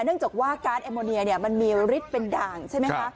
เนื่องจากว่าการ์ดเอมโมเนียมันมีฤทธิ์เป็นด่างใช่ไหมคะ